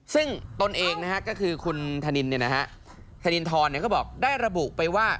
ซึ่งตนเองก็คือคุณธนินธนินทรก็บอกได้ระบุไปว่า